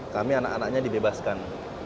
kami anak anaknya dibebaskan